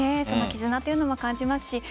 その絆というのを感じますし